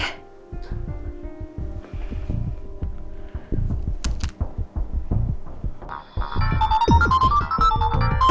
gak ada apa apa